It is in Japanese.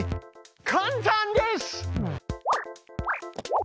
簡単です！